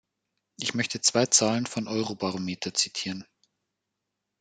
Ich möchte zwei Zahlen von Eurobarometer zitieren.